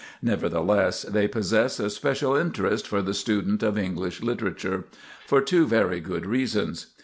Nevertheless, they possess a special interest for the student of English literature, for two very good reasons.